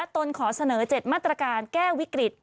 ตนขอเสนอ๗มาตรการแก้วิกฤต